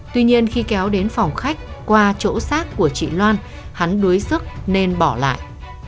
tuy nhiên khi kéo đến phòng khách qua chỗ xác của chị loan hắn đuối sức nên bỏ lại